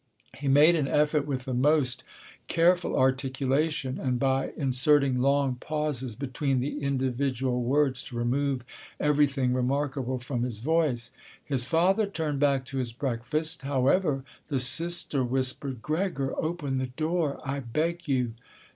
He made an effort with the most careful articulation and by inserting long pauses between the individual words to remove everything remarkable from his voice. His father turned back to his breakfast. However, the sister whispered, "Gregor, open the door—I beg you."